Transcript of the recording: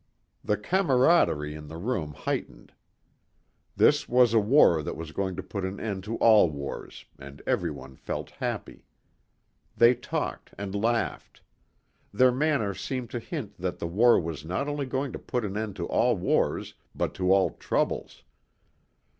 The camaraderie in the room heightened. This was a war that was going to put an end to all wars and everyone felt happy. They talked and laughed. Their manner seemed to hint that the war was not only going to put an end to all wars but to all troubles.